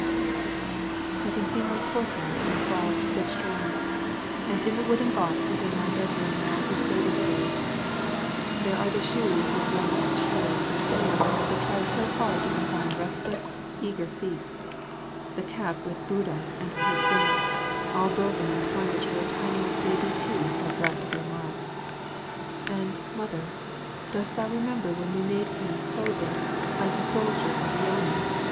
....... I can see my courtyard in far Sezchuan; and in the wooden box within my bedroom are all his baby clothes. There are the shoes with worn out toes and heels that tried so hard to confine restless, eager feet; the cap with Buddha and his saints, all broken and tarnished where tiny, baby teeth have left their marks; and, Mother, dost thou remember when we made him clothing like the soldier at the Yamen?